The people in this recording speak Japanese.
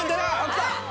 来た！